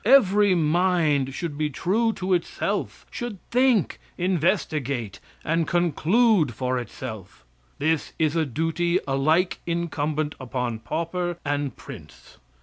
Every mind should be true to itself; should think, investigate and conclude for itself. This is a duty alike incumbent upon pauper and prince.